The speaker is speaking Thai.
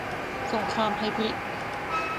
สงครามไฮบริด